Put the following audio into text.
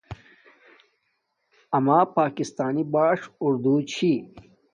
اما پاکستانݵ باݽ اورو چھی